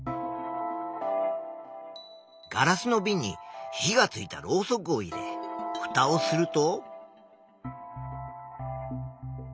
ガラスのびんに火がついたろうそくを入れふたをすると。